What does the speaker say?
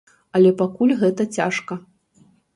Але пакуль гэта цяжка.